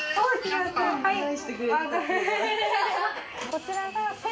こちらが。